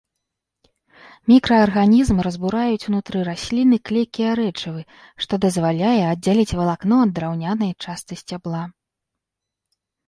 Мікраарганізмы разбураюць унутры расліны клейкія рэчывы, што дазваляе аддзяліць валакно ад драўнянай частцы сцябла.